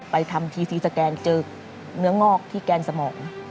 ทำทีซีสแกนเจอเนื้องอกที่แกนสมอง